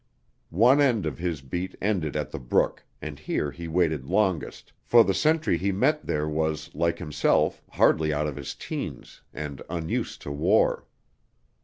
One end of his beat ended at the brook and here he waited longest, for the sentry he met there was, like himself, hardly out of his teens, and unused to war.